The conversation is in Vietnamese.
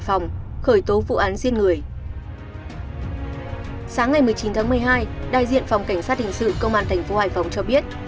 sáng ngày một mươi chín tháng một mươi hai đại diện phòng cảnh sát hình sự công an thành phố hải phòng cho biết